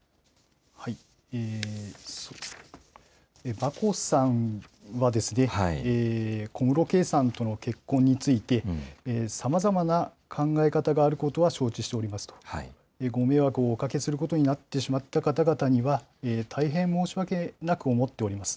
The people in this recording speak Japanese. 眞子さんは小室圭さんとの結婚について、さまざまな考え方があることは承知しておりますと、ご迷惑をおかけすることになってしまった方々には、大変申し訳なく思っております。